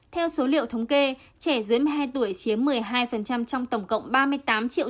theo số liệu thống kê trẻ dưới một mươi hai tuổi chiếm một mươi hai trong tổng cộng ba mươi tám triệu